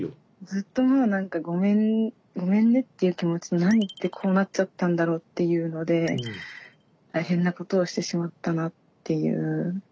ずっともう何かごめんねという気持ちと何でこうなっちゃったんだろうっていうので大変なことをしてしまったなっていう。